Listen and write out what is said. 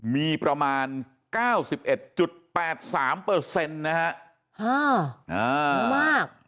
มีประมาณ๙๑๘๓เปอร์เซ็นต์นะครับ